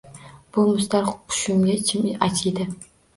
Bu mustar qushimga ichim achiydi…